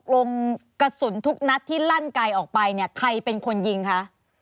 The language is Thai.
ลงกระสุนทุกนัดที่ลั่นไกลออกไปเนี่ยใครเป็นคนยิงคะ